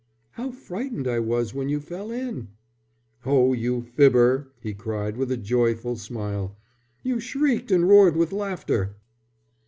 "How frightened I was when you fell in!" "Oh, you fibber!" he cried, with a joyful smile. "You shrieked and roared with laughter!"